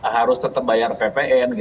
harus tetap bayar ppn